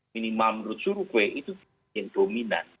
minimal menurut survei itu yang dominan